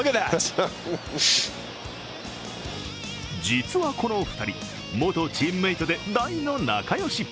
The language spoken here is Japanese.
実はこの２人、元チームメートで大の仲良し。